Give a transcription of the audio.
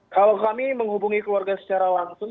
kalau kami menghubungi keluarga secara langsung